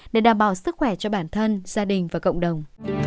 để đảm bảo sức khỏe cho bản thân gia đình và cộng đồng